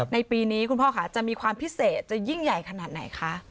ในปีนี้คุณพ่อค่ะจะมีความพิเศษจะยิ่งใหญ่ขนาดไหนคะ